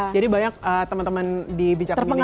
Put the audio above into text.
jadi banyak teman teman di bijak memilih